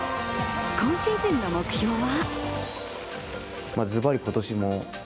今シーズンの目標は？